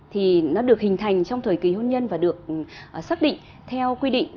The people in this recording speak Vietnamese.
thì nó được hình thành trong thời kỳ hôn nhân và được xác định theo quy định